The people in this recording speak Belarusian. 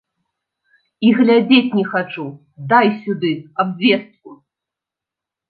І глядзець не хачу, дай сюды абвестку.